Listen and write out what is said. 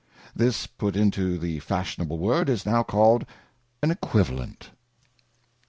This put into the lasfiionable Word, is now called an (Equitialent. n.